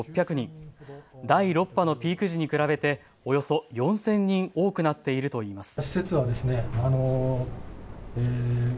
第６波のピーク時に比べておよそ４０００人多くなっているといいます。